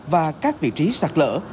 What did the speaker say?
và các vị trí sạc lỡ